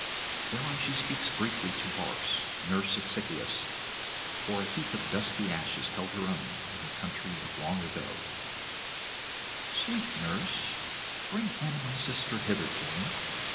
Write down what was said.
Thereon she speaks briefly to Barce, nurse of Sychaeus; for a heap of dusky ashes held her own, in her country of long ago: 'Sweet nurse, bring Anna my sister hither to me.